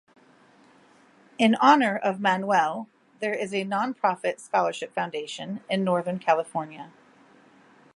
In honor of Manuel, there is a non-profit scholarship foundation in Northern California.